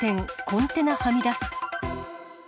コンテナはみ出す。